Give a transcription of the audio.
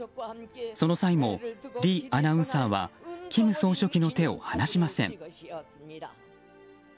その際も、リアナウンサーは金総書記の手を離しません。